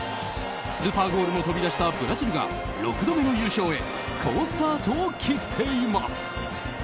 スーパーゴールも飛び出したブラジルが６度目の優勝へ好スタートを切っています。